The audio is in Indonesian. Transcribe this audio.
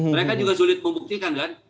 mereka juga sulit membuktikan kan